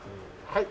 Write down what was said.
はい。